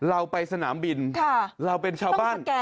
เราไปสนามบินเราเป็นชาวบ้านแก่